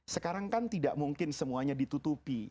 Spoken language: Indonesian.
sekarang kan tidak mungkin semuanya ditutupi